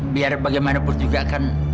biar bagaimana pun juga kan